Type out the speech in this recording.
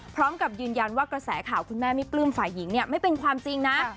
พร้อมกับยืนยันว่ากระแสข่าวคุณแม่ไม่ปลื้มฝ่ายหญิงเนี่ยไม่เป็นความจริงนะ